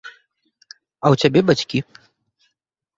А ў цябе бацькі.